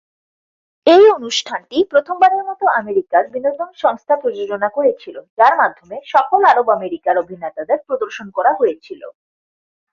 এই অনুষ্ঠানটি প্রথমবারের মত আমেরিকার বিনোদন সংস্থা প্রযোজনা করেছিল যার মধ্যমে সকল আরব-আমেরিকার অভিনেতাদের প্রদর্শন করা হয়েছিল।